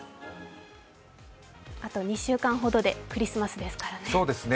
あと２週間ほどでクリスマスですからね。